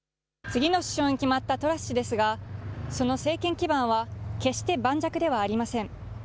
次の首相に決まったトラス氏ですが、その政権基盤は決して盤石ではありません。